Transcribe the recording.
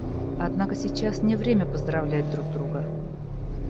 Однако сейчас не время поздравлять друг друга.